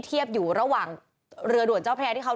แต่ว่าไม่สามารถผ่านเข้าไปที่บริเวณถนน